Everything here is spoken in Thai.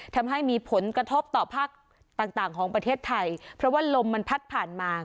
ทำให้มีผลกระทบต่อภาคต่างต่างของประเทศไทยเพราะว่าลมมันพัดผ่านมา